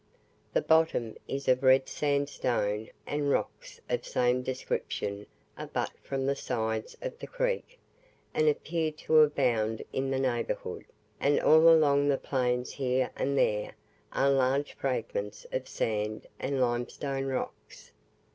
The bottom is of red sand stone and rocks of the same description abut from the sides of the creek, and appear to abound in the neighbourhood; and all along the plains here and there are large fragments of sand and lime stone rocks.